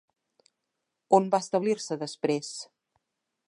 On va establir-se després?